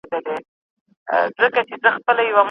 او لا به یې هم ثابت وو.